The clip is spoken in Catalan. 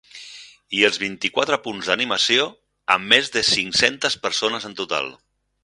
I els vint-i-quatre punts d’animació, amb més de cinc-centes persones en total.